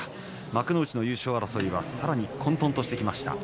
幕内の優勝争いはさらに混とんとしてきました。